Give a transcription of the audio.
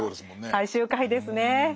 最終回ですね。